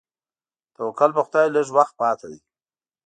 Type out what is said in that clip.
توکل په خدای لږ وخت پاتې دی.